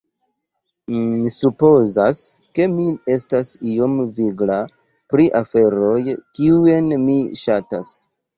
"... mi supozas ke mi estas iom vigla pri aferoj, kiujn mi ŝatas."